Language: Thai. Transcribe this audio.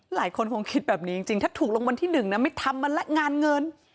หลายคนคงคิดแบบนี้จริงถ้าถูกรางวัลที่หนึ่งนะไม่ทำมันละงานเงิน